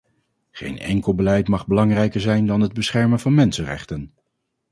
Geen enkel beleid mag belangrijker zijn dan het beschermen van mensenrechten.